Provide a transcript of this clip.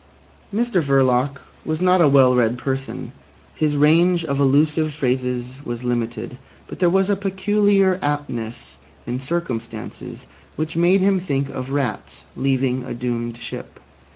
Mr Verloc was not a well read person; his range of allusive phrases was limited, but there was a peculiar aptness in circumstances which made him think of rats leaving a doomed ship.